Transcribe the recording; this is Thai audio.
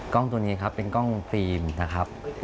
กล้องตัวนี้ครับเป็นกล้องฟิล์มนะครับ